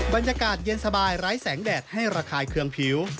บรรยากาศเย็นสบายไร้แสงแดดให้ระคายเคืองผิว